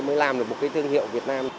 mới làm được một cái thương hiệu việt nam